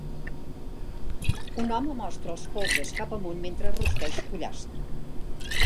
Un home mostra els polzes cap amunt mentre rosteix pollastre.